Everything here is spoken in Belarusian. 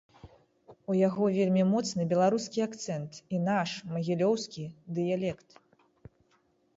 У яго вельмі моцны беларускі акцэнт і наш, магілёўскі, дыялект.